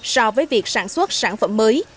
so với việc sản xuất sản phẩm mới